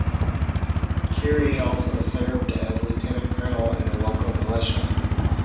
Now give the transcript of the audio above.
Currie also served as Lieutenant-Colonel in the local militia.